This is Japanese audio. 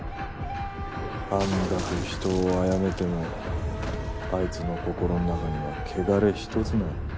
あんだけ人を殺めてもあいつの心の中には汚れひとつない。